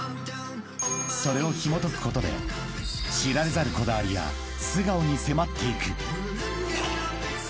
［それをひもとくことで知られざるこだわりや素顔に迫っていく］